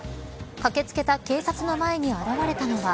駆け付けた警察の前に現れたのは。